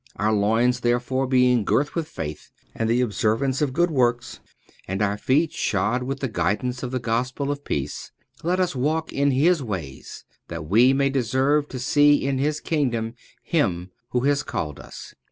Our loins therefore being girt with faith and the observance of good works, and our feet shod with the guidance of the Gospel of peace, let us walk in His ways, that we may deserve to see in His kingdom Him Who has called us.